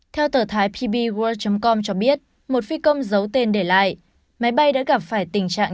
theo tờ thái pb world com cho biết một phi công giấu tên để lại máy bay đã gặp phải tình trạng